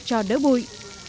cho đỡ bụi